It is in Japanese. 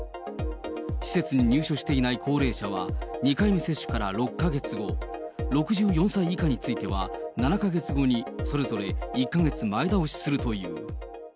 施設に入所していない高齢者は、２回目接種から６か月後、６４歳以下については７か月後に、それぞれ１か月前倒しするという。